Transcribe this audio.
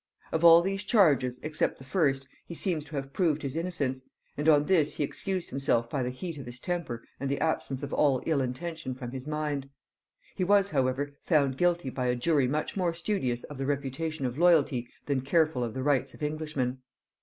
Of all these charges except the first he seems to have proved his innocence, and on this he excused himself by the heat of his temper and the absence of all ill intention from his mind. He was however found guilty by a jury much more studious of the reputation of loyalty than careful of the rights of Englishmen.